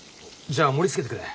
じゃあ盛りつけてくれ。